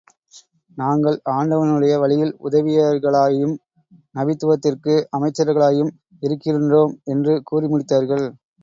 நாங்கள் ஆண்டவனுடைய வழியில் உதவியவர்களாயும், நபித்துவத்திற்கு அமைச்சர்களாயும் இருக்கின்றோம் என்று கூறி முடித்தார்கள்.